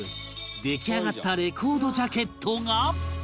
出来上がったレコードジャケットが